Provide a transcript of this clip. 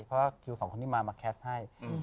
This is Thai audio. เพราะว่าคิวสองคนนี้มามาแคสต์ให้